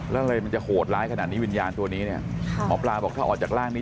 แล้วอะไรมันจะโหดร้ายขนาดนี้วิญญาณตัวนี้เนี่ยหมอปลาบอกถ้าออกจากร่างนี้